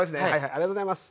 ありがとうございます。